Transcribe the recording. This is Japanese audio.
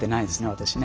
私ね。